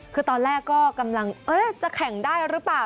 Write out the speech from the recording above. คือตอนแรกก็กำลังจะแข่งได้หรือเปล่า